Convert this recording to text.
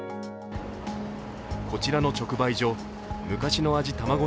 こちらの直売所昔の味たまご